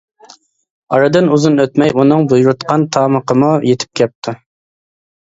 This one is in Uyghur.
ئارىدىن ئۇزۇن ئۆتمەي ئۇنىڭ بۇيرۇتقان تامىقىمۇ يىتىپ كەپتۇ.